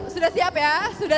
sudah siap ya